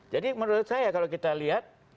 jadi menurut saya kalau kita lihat